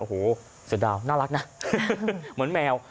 โอ้โหเสือดาวน่ารักนะเหมือนแมว